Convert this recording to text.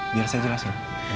biar saya jelasin